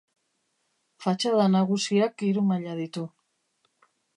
Fatxada nagusiak hiru maila ditu.